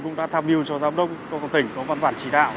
cũng đã tham nhu cho giám đốc công tỉnh có văn bản chỉ đạo